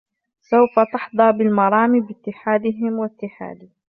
سوف تحظى بالمرام باتحادهم واتحادي